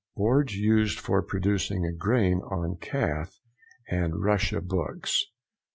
—Boards used for producing a grain on calf and russia books.